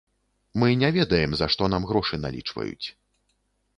Мы не ведаем, за што нам грошы налічваюць.